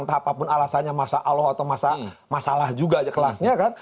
entah apapun alasannya masalah juga kelaknya kan